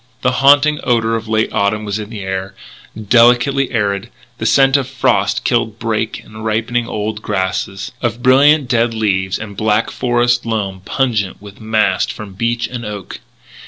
The haunting odour of late autumn was in the air delicately acrid the scent of frost killed brake and ripening wild grasses, of brilliant dead leaves and black forest loam pungent with mast from beech and oak.